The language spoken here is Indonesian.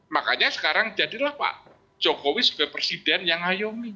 makanya sekarang jadilah pak jokowi sebagai presiden yang ngayomi